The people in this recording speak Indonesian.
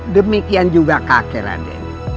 demikian juga kakek rade